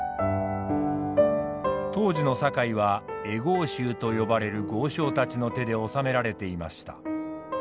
当時の堺は会合衆と呼ばれる豪商たちの手で治められていました。